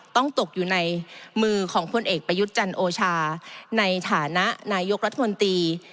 ตกอยู่ในมือของพลเอกประยุทธ์จันโอชาในฐานะนายกรัฐมนตรี